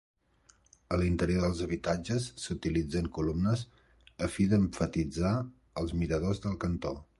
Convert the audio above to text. A l'interior dels habitatges, s'utilitzen columnes, a fi d'emfasitzar els miradors del cantó.